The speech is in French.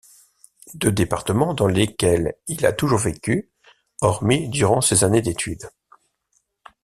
Deux départements dans lesquels il a toujours vécu, hormis durant ses années d'études.